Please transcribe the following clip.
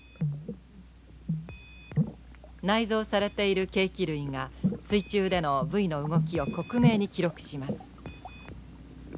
内蔵されている計器類が水中でのブイの動きを克明に記録します。